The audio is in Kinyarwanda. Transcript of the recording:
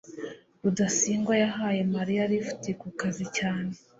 rudasingwa yahaye mariya lift ku kazi cyane